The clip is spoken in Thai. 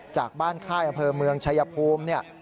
จากบ้านค่ายอำเภอเมืองชายภูมิเนี่ย